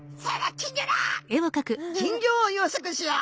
金魚を養殖しよう。